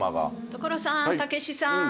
所さんたけしさん。